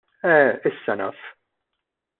Eh, issa naf!